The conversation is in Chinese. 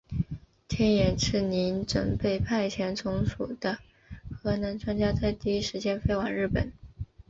天野之弥准备派遣总署的核能专家在第一时间飞往日本。